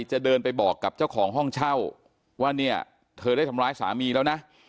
จะเดินไปบอกกับเจ้าของห้องเช่าว่าเนี่ยเธอได้ทำร้ายสามีแล้วนะ